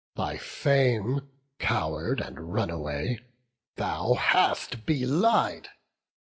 thy fame, Coward and runaway, thou hast belied.